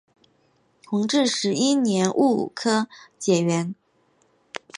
弘治十一年戊午科解元。